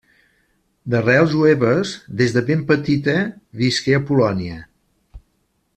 D'arrels jueves, des de ben petita visqué a Polònia.